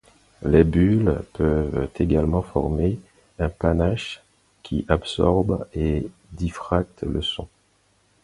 Les bulles peuvent également former un panache qui absorbe et diffracte le son.